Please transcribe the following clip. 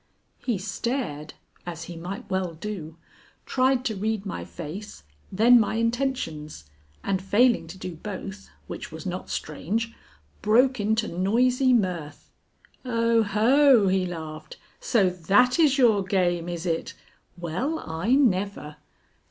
He stared (as he might well do), tried to read my face, then my intentions, and failing to do both, which was not strange, broke into noisy mirth. "Oh, ho!" he laughed. "So that is your game, is it! Well, I never!